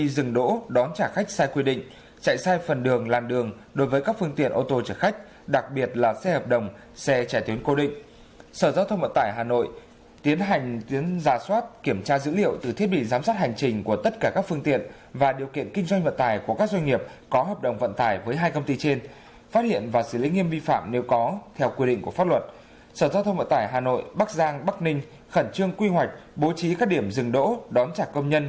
lực lượng đẩy sai phần đường làn đường đối với các phương tiện ô tô chở khách đặc biệt là xe hợp đồng xe trẻ tuyến cố định sở giao thông vận tải hà nội tiến hành tiến ra soát kiểm tra dữ liệu từ thiết bị giám sát hành trình của tất cả các phương tiện và điều kiện kinh doanh vận tải của các doanh nghiệp có hợp đồng vận tải với hai công ty trên phát hiện và xử lý nghiêm vi phạm nếu có theo quy định của pháp luật sở giao thông vận tải hà nội bắc giang bắc ninh khẩn trương quy hoạch bố trí các điểm rừng đỗ đón trả công nhân